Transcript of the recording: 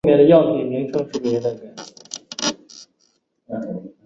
这个名字跟英格兰超级联赛球队纽卡斯尔联足球俱乐部的一样。